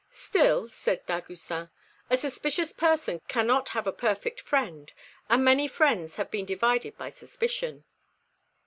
"Still," said Dagoucin, "a suspicious person cannot have a perfect friend, and many friends have been divided by suspicion."